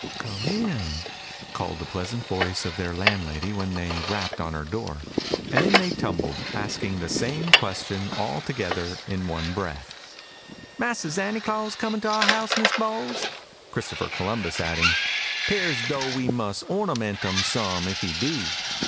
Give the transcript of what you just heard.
"Come in," called the pleasant voice of their landlady, when they rapped on her door; and in they tumbled, asking the same question all together in one breath: "Mahser Zanty Claws comin' to our house, Miss Bowles?" Christopher Columbus adding, "'Pears dough we muss ornamentem some if he do."